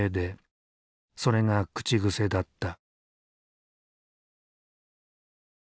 それが口癖だった。